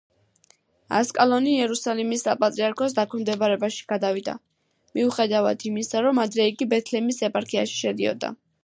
ასკალონი იერუსალიმის საპატრიარქოს დაქვემდებარებაში გადავიდა, მიუხედავად იმისა, რომ ადრე იგი ბეთლემის ეპარქიაში შედიოდა.